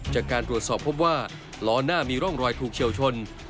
จากการตรวจสอบพบว่าล้อหน้ามีร่องรอยถูกเฉียวชน